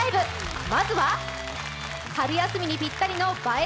まずは春休みにピッタリの映え